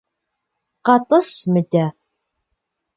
КъэтӀыс мыдэ!